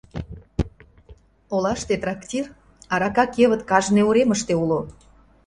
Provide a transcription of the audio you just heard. Олаште трактир, арака кевыт кажне уремыште уло.